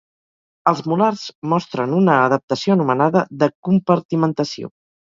Els molars mostren una adaptació anomenada de compartimentació.